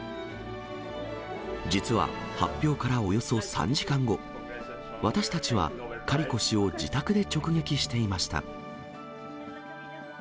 実は発表からおよそ３時間後、私たちはカリコ氏を自宅で直撃していました。